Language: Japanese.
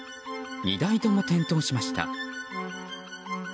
２台とも転倒しました。